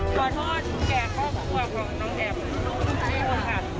ขอโทษแก่กล้องแดบน้องใช่ค่ะ